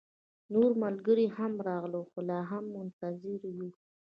نور ملګري هم راغلل، خو لا هم منتظر يو